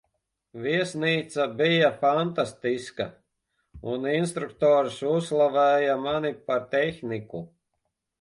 Viesnīca bija fantastiska, un instruktors uzslavēja mani par tehniku.